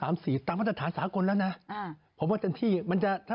มาตรฐานสากลแล้วนะผมว่าทั้งที่มันจะ